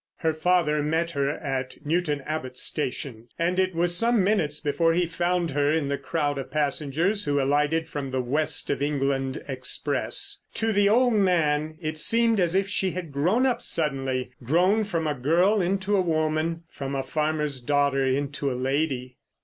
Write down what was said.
Her father met her at Newton Abbot station, and it was some minutes before he found her in the crowd of passengers who alighted from the West of England express. To the old man it seemed as if she had grown up suddenly. Grown from a girl into a woman. From a farmer's daughter into a lady.